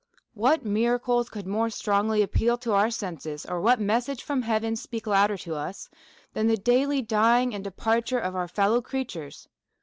What miracles could more strongly appeal to our senses, or what message from heaven speak louder to us, than the daily dying and departure of our fellow creatures